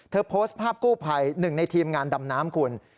โพสต์ภาพกู้ภัยหนึ่งในทีมงานดำน้ำคุณ